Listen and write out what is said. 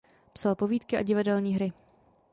Psal povídky a divadelní hry.